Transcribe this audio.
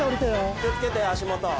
気を付けて足元。